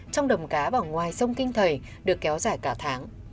trong đầm cá và ngoài sông kinh thầy được kéo dài cả tháng